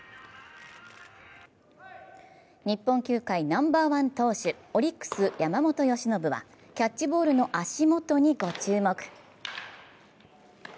日本球界ナンバーワン投手、オリックス・山本由伸はキャッチボールの足元にご注目。